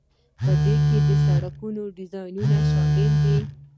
په دې کې د سړکونو ډیزاین شامل دی.